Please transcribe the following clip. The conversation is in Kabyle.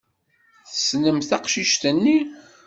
Tessnemt taqcict-nni?